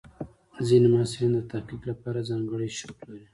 ځینې محصلین د تحقیق لپاره ځانګړي شوق لري.